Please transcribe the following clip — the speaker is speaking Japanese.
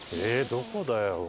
どこだよ？